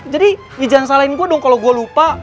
jadi jangan salahin gue dong kalau gue lupa